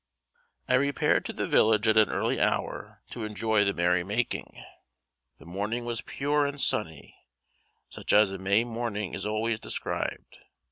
I repaired to the village at an early hour to enjoy the merry making. The morning was pure and sunny, such as a May morning is always described.